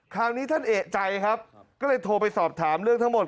คราวนี้ท่านเอกใจครับก็เลยโทรไปสอบถามเรื่องทั้งหมด